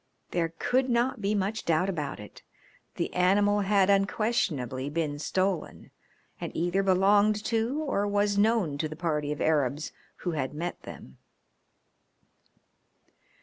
There could not be much doubt about it. The animal had unquestionably been stolen, and either belonged to or was known to the party of Arabs who had met them.